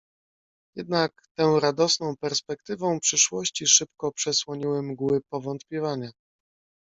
"Jednak tę radosną perspektywą przyszłości szybko przesłoniły mgły powątpiewania."